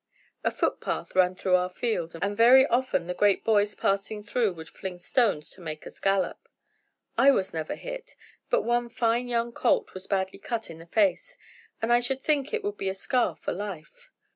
A footpath ran through our field and very often the great boys passing through would fling stones to make us gallop. I was never hit, but one fine young colt was badly cut in the face, and I should think it would be a scar for life.